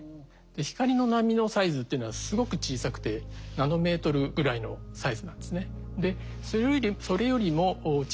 光の波のサイズっていうのはすごく小さくてナノメートルぐらいのサイズなんですね。